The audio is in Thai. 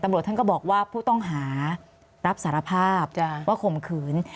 ท่านก็บอกว่าผู้ต้องหารับสารภาพว่าข่มขืน